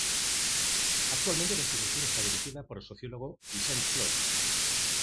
Actualmente la Institución está dirigida por el sociólogo Vicent Flor.